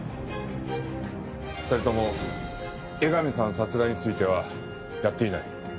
２人とも江上さん殺害についてはやっていない。